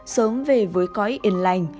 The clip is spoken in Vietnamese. sớm về với cõi yên lành